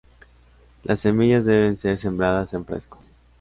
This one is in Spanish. Las semillas deben ser sembradas en fresco.